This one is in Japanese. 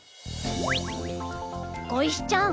ごいしちゃん